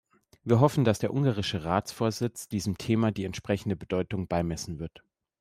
Wir hoffen, dass der ungarische Ratsvorsitz diesem Thema die entsprechende Bedeutung beimessen wird.